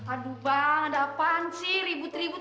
aduh bang ada apaan sih ribut ribut